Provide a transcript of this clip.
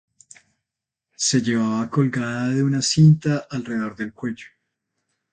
Se llevaba colgada de una cinta alrededor del cuello.